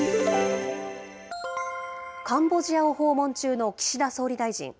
カンボジアを訪問中の岸田総理大臣。